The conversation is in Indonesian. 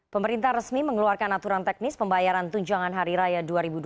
pemerintah resmi mengeluarkan aturan teknis pembayaran tunjangan hari raya dua ribu dua puluh